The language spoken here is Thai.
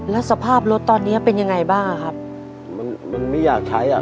แล้วสภาพรถตอนเนี้ยเป็นยังไงบ้างอ่ะครับมันมันไม่อยากใช้อ่ะ